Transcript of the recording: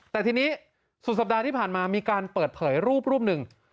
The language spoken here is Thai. แต่ทีนี้สุดสัปดาห์ที่ผ่านมามีการเปิดเผยรูปรูปหนึ่ง